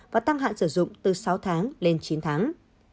và tăng hạn sử dụng từ sáu tháng lên chín tháng